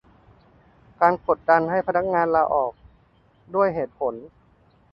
การกดดันให้พนักงานลาออก ด้วยเหตุผล